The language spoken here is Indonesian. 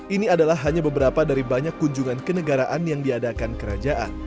ini adalah hanya beberapa dari banyak kunjungan kenegaraan yang diadakan kerajaan